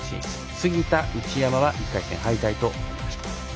杉田、内山は１回戦敗退となりました。